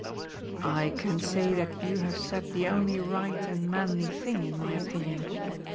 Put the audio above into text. "I can say that you have said the only right and manly thing, in my opinion.